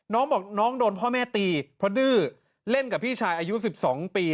น้องบอกน้องโดนพ่อแม่ตีเพราะดื้อเล่นกับพี่ชายอายุ๑๒ปี